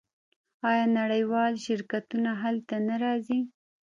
آیا نړیوال شرکتونه هلته نه راځي؟